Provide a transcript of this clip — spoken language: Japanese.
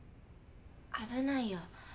危ないよ。